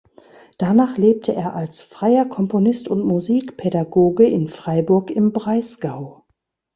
Danach lebte er als freier Komponist und Musikpädagoge in Freiburg im Breisgau.